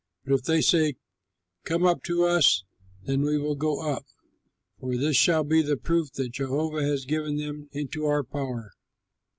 But if they say, 'Come up to us,' then we will go up; for this shall be the proof that Jehovah has given them into our power."